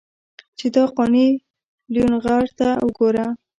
چې دا قانع لېونغرته وګوره.